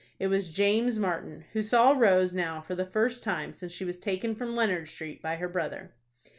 It was James Martin, who saw Rose now for the first time since she was taken from Leonard Street by her brother.